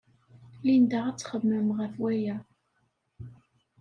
Linda ad txemmem ɣef waya.